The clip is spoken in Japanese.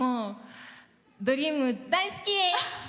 ドリーム大好き！